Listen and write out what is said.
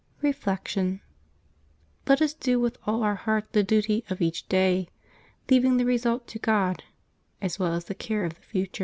Reflection. — Let us do with all our heart the duty of each day, leaving the result to God, as well as the care of the future.